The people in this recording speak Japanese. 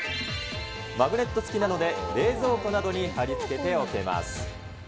マグネット付きなので、冷蔵庫などに貼り付けておけます。